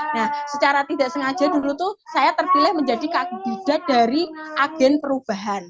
nah secara tidak sengaja dulu tuh saya terpilih menjadi kagubidat dari agen perubahan